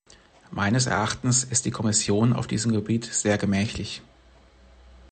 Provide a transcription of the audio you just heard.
Meines Erachtens ist die Kommission auf diesem Gebiet sehr "gemächlich" .